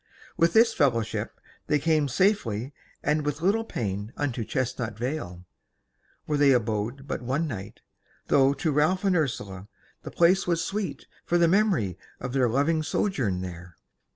With this fellowship they came safely and with little pain unto Chestnut Vale, where they abode but one night, though to Ralph and Ursula the place was sweet for the memory of their loving sojourn there.